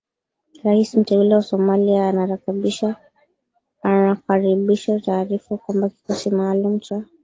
Raisi mteule wa Somalia anakaribisha taarifa kwamba kikosi maalum cha